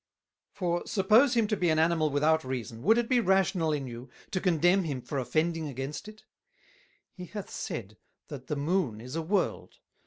"For suppose him to be an Animal without Reason, would it be rational in you to Condemn him for offending against it? He hath said, that the Moon is a World.